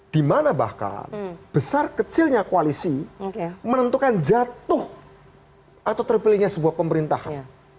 dimana bahkan besar kecilnya koalisi menentukan jatuh atau terpilihnya sebuah pemerintahan